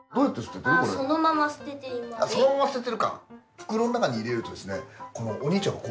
そのまま捨ててるか。